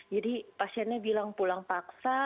jadi pasiennya bilang pulang paksa